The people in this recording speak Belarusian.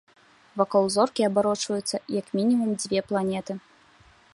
Вакол зоркі абарочваюцца, як мінімум, дзве планеты.